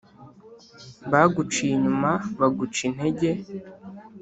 Baguciye inyuma baguca intege